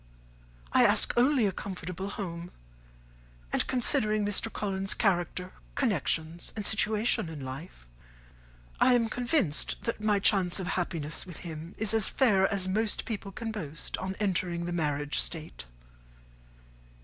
I ask only a comfortable home; and, considering Mr. Collins's character, connections, and situation in life, I am convinced that my chance of happiness with him is as fair as most people can boast on entering the marriage state."